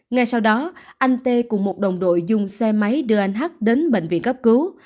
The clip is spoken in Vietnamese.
ngay sau đó anh tê cùng một đồng đội dùng xe máy đưa anh h đến bệnh viện cấp cứu